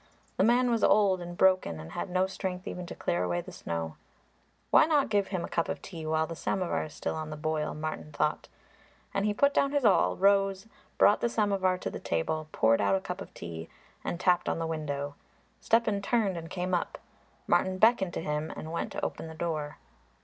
The man was old and broken and had no strength even to clear away the snow. "Why not give him a cup of tea while the samovar is still on the boil?" Martin thought. And he put down his awl, rose, brought the samovar to the table, poured out a cup of tea and tapped on the window. Stepan turned and came up. Martin beckoned to him and went to open the door.